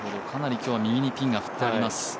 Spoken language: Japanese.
かなり今日は右にピンが振ってあります。